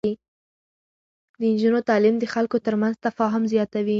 د نجونو تعليم د خلکو ترمنځ تفاهم زياتوي.